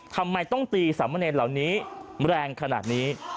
ทำไมต้องตีสามเณรเหล่านี้แรงขนาดนี้